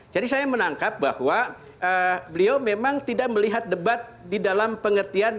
saya menangkap bahwa beliau memang tidak melihat debat di dalam pengertian